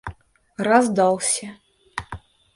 раздался